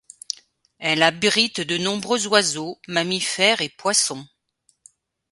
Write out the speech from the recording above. Elle abrite de nombreux oiseaux, mammifères et poissons.